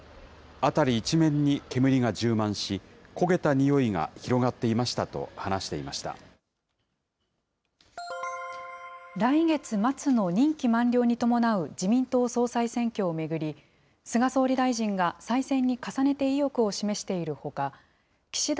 辺り一面に煙が充満し、焦げた臭いが広がっていましたと話してい来月末の任期満了に伴う自民党総裁選挙を巡り、菅総理大臣が再選に重ねて意欲を示しているほか、岸田